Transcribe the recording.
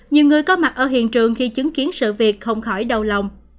nhiều người có mặt ở hiện trường khi chứng kiến sự việc không khỏi đau lòng